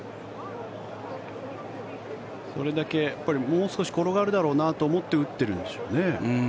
それだけもう少し転がるだろうなと思って打ってるんでしょうね。